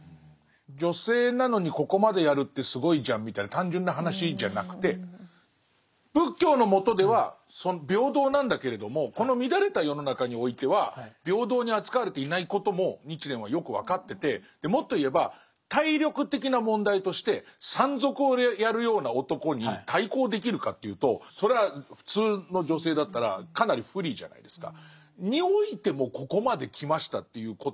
女性なのにここまでやるってすごいじゃんみたいな単純な話じゃなくて仏教の下では平等なんだけれどもこの乱れた世の中においてはもっと言えば体力的な問題として山賊をやるような男に対抗できるかというとそれは普通の女性だったらかなり不利じゃないですか。